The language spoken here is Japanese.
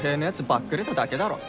ばっくれただけだろ。